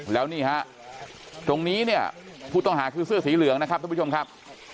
แล้วนี่ฮะตรงนี้เนี่ยผู้ต้องหาคือเสื้อสีเหลืองนะครับท่านผู้ชมครับ